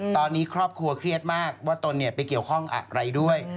ตอนนี้ครอบครัวเครียดมากว่าตนไปเกี่ยวข้องอะไรด้วย